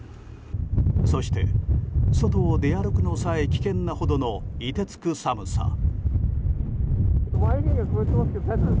そして外を出歩くのさえ危険なほどの凍てつく寒さ。